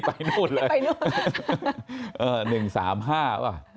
ไปนู่นเลย๑๓๕ปะ